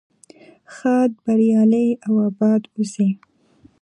ښاد بریالي او اباد اوسئ.